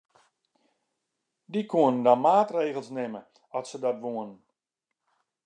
Dy koenen dan maatregels nimme at se dat woenen.